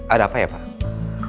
ada apa ya pak